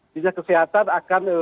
desa kesehatan akan